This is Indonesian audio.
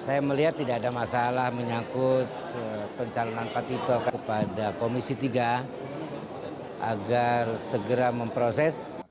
saya melihat tidak ada masalah menyangkut pencalonan pak tito kepada komisi tiga agar segera memproses